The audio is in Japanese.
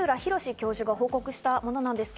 教授が報告したものです。